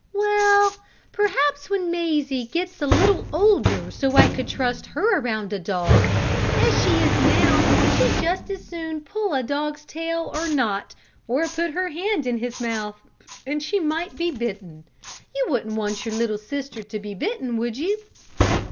"Well, perhaps when Mazie gets a little older, so I could trust her around a dog. As she is now, she'd just as soon pull a dog's tail as not, or put her hand in his mouth, and she might be bitten. You wouldn't want your little sister to be bitten, would you?"